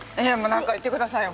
何か言ってくださいよ！